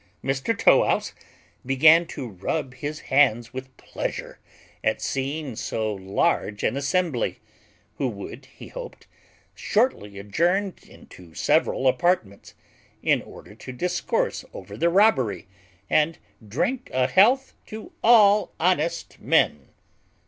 Mr Tow wouse began to rub his hands with pleasure at seeing so large an assembly; who would, he hoped, shortly adjourn into several apartments, in order to discourse over the robbery, and drink a health to all honest men.